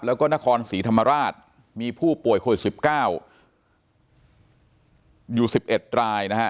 แล้วก็นครศรีธรรมราชมีผู้ป่วยโควิด๑๙อยู่๑๑รายนะฮะ